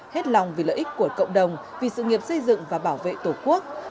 hết lòng vì lợi ích của cộng đồng vì sự nghiệp xây dựng và bảo vệ tổ quốc